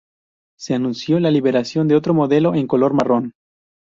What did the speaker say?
Se anunció la liberación de otro modelo en color marrón.